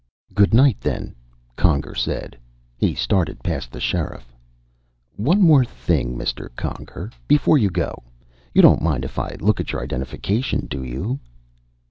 "Good night, then," Conger said. He started past the Sheriff. "One more thing, Mr. Conger. Before you go. You don't mind if I look at your identification, do you?"